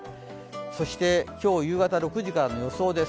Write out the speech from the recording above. そして、今日夕方６時からの予想です。